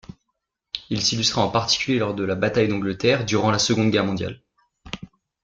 Il s'illustra en particulier lors de la bataille d'Angleterre, durant la Seconde Guerre mondiale.